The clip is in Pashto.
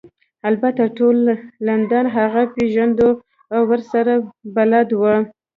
البته ټول لندن هغه پیژنده او ورسره بلد وو